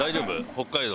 北海道。